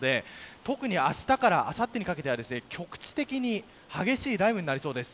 特にあしたからあさってにかけて局地的に激しい雷雨になりそうです。